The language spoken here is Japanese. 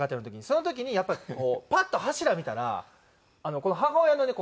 その時にやっぱりパッと柱見たら母親のね